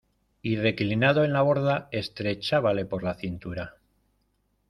y reclinado en la borda estrechábale por la cintura.